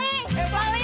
eh kek apa